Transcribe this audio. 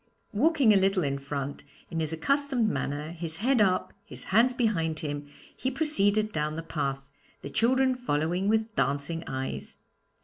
Walking a little in front, in his accustomed manner, his head up, his hands behind him, he proceeded down the path, the children following with dancing eyes.